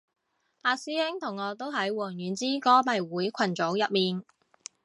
阿師兄同我都喺王菀之歌迷會群組入面